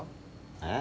えっ？